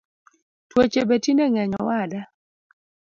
Tuoche betinde ngeny owada